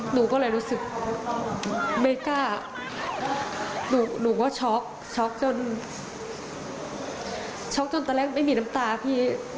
หนูก็เลยรู้สึกไม่กล้าหนูก็ช็อกช็อกจนช็อกจนตอนแรกไม่มีน้ำตาพี่